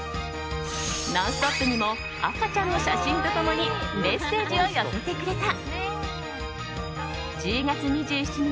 「ノンストップ！」にも赤ちゃんの写真と共にメッセージを寄せてくれた。